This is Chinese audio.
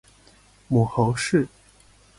母侯氏。